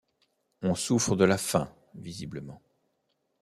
On souffre de la faim, visiblement.